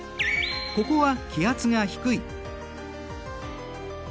ここは気圧が低い。